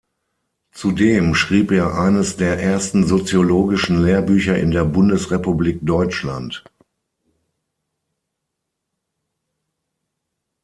Zudem schrieb er eines der ersten soziologischen Lehrbücher in der Bundesrepublik Deutschland.